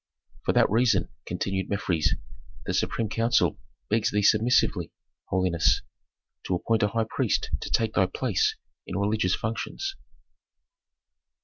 "For that reason," continued Mefres, "the supreme council begs thee submissively, holiness, to appoint a high priest to take thy place in religious functions."